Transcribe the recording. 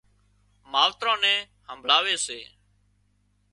ماوتران نين همڀۯاوي سي